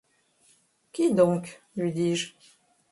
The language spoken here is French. Qui donc, lui dis-je ?